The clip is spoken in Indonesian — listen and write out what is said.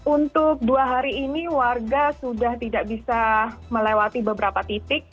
untuk dua hari ini warga sudah tidak bisa melewati beberapa titik